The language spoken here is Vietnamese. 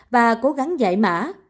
và cố gắng giải mã